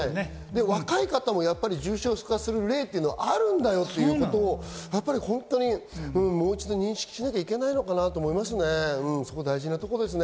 若い方も重症化する例があるんだということをもう一度認識しなければいけないのかなと思いますね。